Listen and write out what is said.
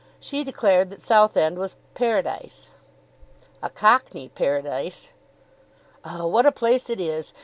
She declared that Southend was Paradise." "A cockney Paradise." "Oh, what a place it is!